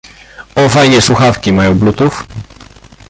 O, fajne słuchawki, mają bluetooth?